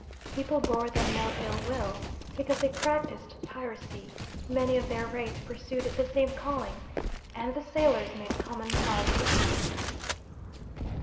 People bore them no ill will because they practised piracy; many of their race pursued the same calling, and the sailors made common cause with them.